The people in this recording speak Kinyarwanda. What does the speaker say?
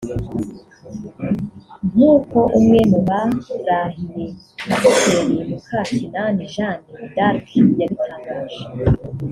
nk’uko umwe mu barahiye Pasiteri Mukakinani Jeanne D’arc yabitangaje